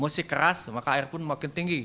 musik keras maka air pun makin tinggi